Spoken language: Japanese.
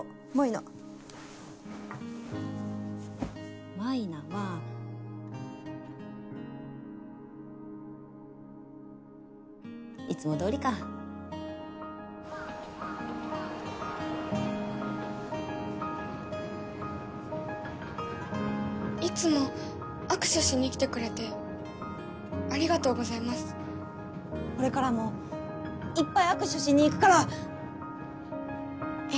菜はいつもどおりかいつも握手しに来てくれてありがとうござこれからもいっぱい握手しに行くから！